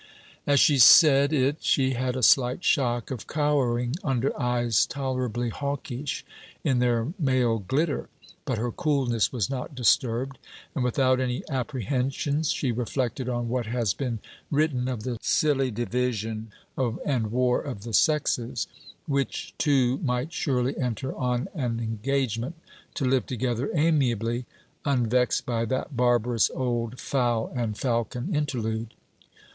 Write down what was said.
As she said it she had a slight shock of cowering under eyes tolerably hawkish in their male glitter; but her coolness was not disturbed; and without any apprehensions she reflected on what has been written of the silly division and war of the sexes: which two might surely enter on an engagement to live together amiably, unvexed by that barbarous old fowl and falcon interlude.